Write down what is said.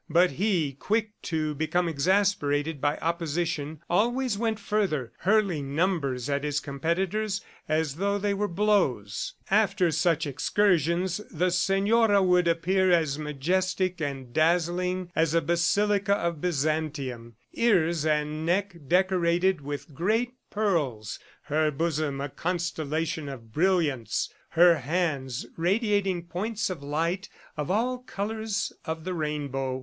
But he, quick to become exasperated by opposition, always went further, hurling numbers at his competitors as though they were blows. After such excursions, the senora would appear as majestic and dazzling as a basilica of Byzantium ears and neck decorated with great pearls, her bosom a constellation of brilliants, her hands radiating points of light of all colors of the rainbow.